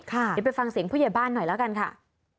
เดี๋ยวไปฟังเสียงผู้ใหญ่บ้านหน่อยแล้วกันค่ะ